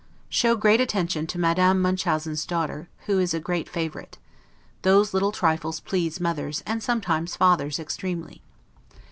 Show great attention to Madame, Munchausen's daughter, who is a great favorite; those little trifles please mothers, and sometimes fathers, extremely.